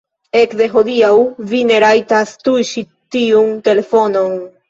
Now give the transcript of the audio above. Ekde hodiaŭ vi ne rajtas tuŝi tiun telefonon.